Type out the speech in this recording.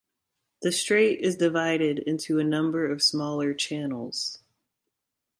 The strait is divided into a number of smaller channels.